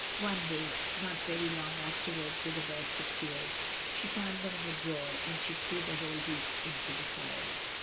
One day, not very long afterwards, with a burst of tears, she found them in a drawer, and she thresv the whole heap into the fire.